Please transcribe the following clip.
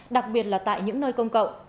đặc biệt là tại những nơi công cậu